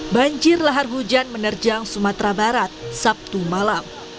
banjir lahar hujan menerjang sumatera barat sabtu malam